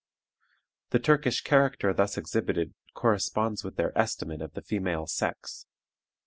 The Turkish character thus exhibited corresponds with their estimate of the female sex.